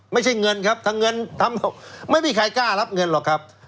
ไม่ใช่เงินครับไม่มีใครกล้ารับเงินหรอกครับ